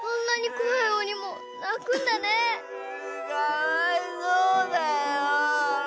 かわいそうだよ。